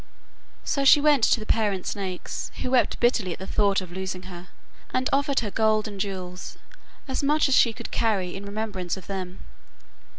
So she went to the parent snakes, who wept bitterly at the thought of losing her, and offered her gold and jewels as much as she could carry in remembrance of them.